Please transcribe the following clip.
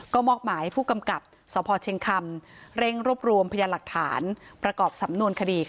ก็มอบหมายผู้กำกับสพเชียงคำเร่งรวบรวมพยานหลักฐาน